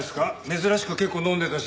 珍しく結構飲んでたし。